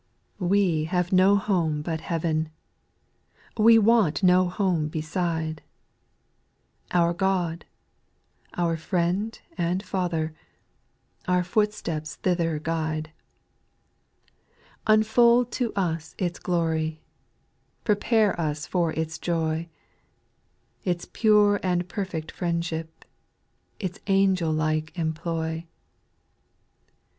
We have no home but heavea ;— we want no home beside ; O God, our Friend and Father, our footsteps thither guide, Unfold to us its glory, prepare us for its joy, Its pure and perfect friendship, its angel like employ.